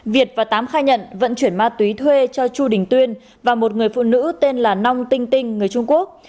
việt và tám khai nhận vận chuyển ma túy thuê cho chu đình tuyên và một người phụ nữ tên là nong tinh tinh người trung quốc